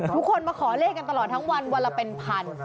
ทุกคนมาขอเลขกันตลอดทั้งวันวันละเป็นพัน